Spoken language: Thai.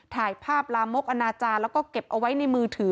ถ่ายภาพลามกอนาจารย์แล้วก็เก็บเอาไว้ในมือถือ